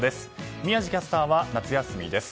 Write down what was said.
宮司キャスターは夏休みです。